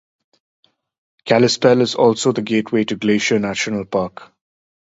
Kalispell is also the gateway to Glacier National Park.